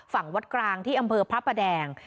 ฝั่งวัดกลางที่อำเภอพระประแดง